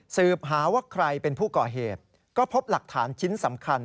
สืบหาว่าใครเป็นผู้ก่อเหตุก็พบหลักฐานชิ้นสำคัญ